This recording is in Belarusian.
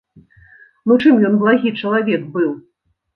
Ну чым ён благі чалавек быў?